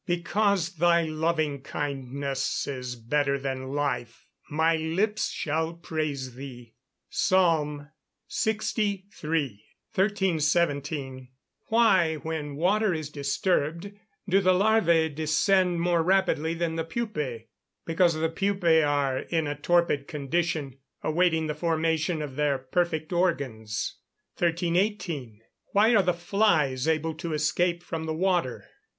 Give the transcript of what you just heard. [Verse: "Because thy loving kindness is better than life, my lips shall praise thee." PSALM LXIII.] 1317. Why, when the water is disturbed, do the larvæ descend more rapidly than the pupæ? Because the pupæ are in a torpid condition, awaiting the formation of their perfect organs. 1318. _Why are the flies able to escape from the water?